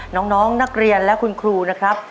น้องนักเรียนและคุณครูนะครับ